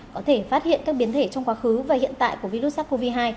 có thể phát hiện các biến thể trong quá khứ và hiện tại của virus sars cov hai